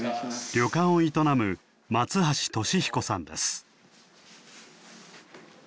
旅館を営む松橋利彦さんです。